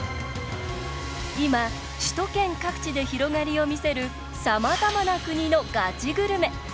今、首都圏各地で広がりを見せるさまざまな国のガチグルメ。